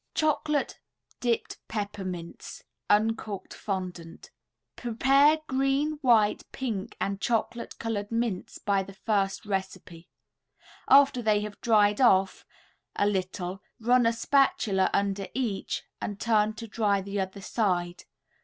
CHOCOLATE DIPPED PEPPERMINTS (Uncooked Fondant) [Illustration: CHOCOLATE DIPPED PEPPERMINTS.] Prepare green, white, pink and chocolate colored mints by the first recipe. After they have dried off a little run a spatula under each and turn to dry the other side.